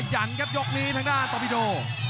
จันทร์ครับยกนี้ทางด้านตอปิโด